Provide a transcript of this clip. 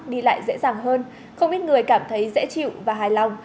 đi lại dễ dàng hơn không ít người cảm thấy dễ chịu và hài lòng